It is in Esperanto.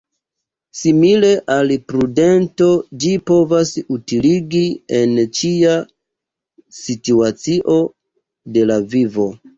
Simile al prudento ĝi povas utiligi en ĉia situacio de la vivo.